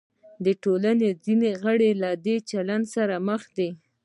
د ټولنې ځینې غړي له دې چلند سره مخ دي.